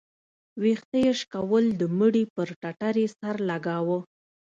ويښته يې شكول د مړي پر ټټر يې سر لګاوه.